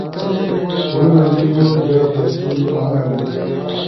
ہُورو جیِبو جا دستی اونو